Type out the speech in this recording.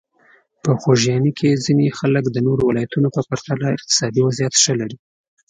په خوږیاڼي کې ځینې خلک د نورو ولایتونو په پرتله اقتصادي وضعیت ښه لري.